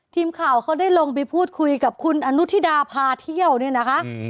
ทีมข่าวเขาได้ลงไปพูดคุยกับคุณอนุทิดาพาเที่ยวเนี่ยนะคะ